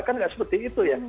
kan nggak seperti itu ya